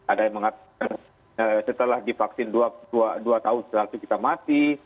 ada yang mengatakan setelah divaksin dua tahun setelah itu kita mati